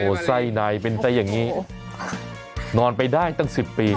ไส้ในเป็นไส้อย่างนี้นอนไปได้ตั้ง๑๐ปี